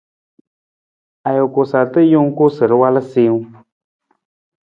Ajuku sarta jungku sa awal siiwung.